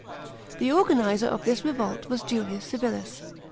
§ 2. The organiser of this revolt was Julius Chilis.